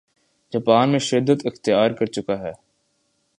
Japan میں شدت اختیار کرچکا ہے